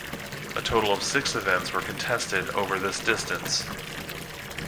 A total of six events were contested over this distance.